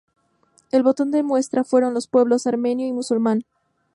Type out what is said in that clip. El botón de muestra fueron los pueblos armenio y musulmán.